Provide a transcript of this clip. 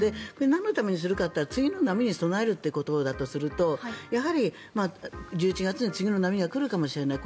なんのためにするかというと次の波に備えるためだとするとやはり１１月に次の波が来るかもしれない。